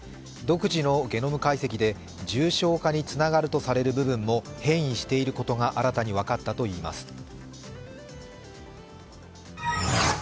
独自のゲノム解析で重症化につながるとされる部分も変異していることが新たに分かったといいます。